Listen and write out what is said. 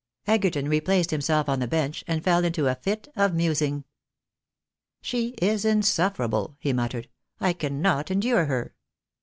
Egerton replaced himself on the bench, and fell into a fit of musing. " She is insufferable," he muttered, " I cannot endure her